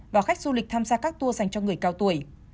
và khách du lịch tham gia các tour dành cho người cao tuổi